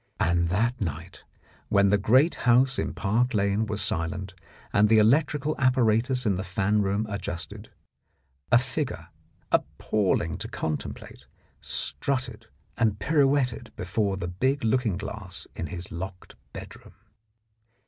And that night, when the great house in Park Lane was silent, and the electrical apparatus in the fan room adjusted, a figure, appalling to contemplate, strutted and pirouetted before the big looking glass in his locked bedroom.